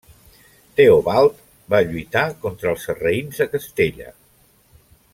Teobald va lluitar contra els sarraïns a Castella.